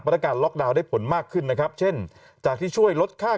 นักการล็อกดาวน์ได้ผลมากขึ้นนะครับเช่นจากที่ช่วยลดค่า